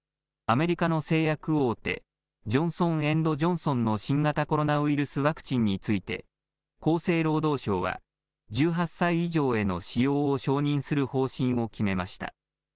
アメリカの製薬大手、ジョンソン・エンド・ジョンソンの新型コロナウイルスワクチンについて、厚生労働省は１８歳以上への使用を承認する方針を決めました。